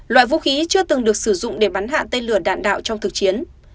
loại vũ khí chưa từng được sử dụng để bắn hạ tên lửa đạn đạo trong thực chiến